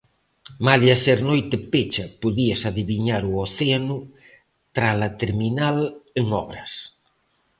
Malia ser noite pecha, podíase adiviñar o océano tras a terminal en obras.